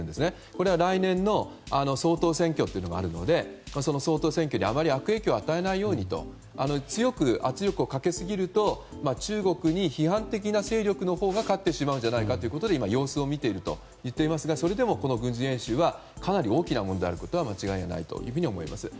これが来年の総統選挙があるのでその総統選挙に悪影響を与えないようにと強く圧力をかけすぎると中国に批判的な勢力のほうが勝ってしまうんじゃないかということで今、様子を見ていると言っていますがそれでもこの軍事演習はかなり大きなものであることは間違いないと思います。